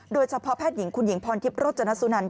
โดยเฉพาะแพทย์หญิงคุณหญิงพรทิพย์โรจนสุนัน